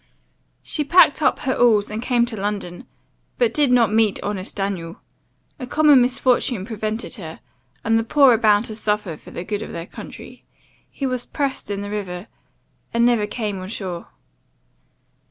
"She packed up her alls, and came to London but did not meet honest Daniel. A common misfortune prevented her, and the poor are bound to suffer for the good of their country he was pressed in the river and never came on shore.